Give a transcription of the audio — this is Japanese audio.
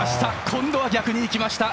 今度は逆に行きました。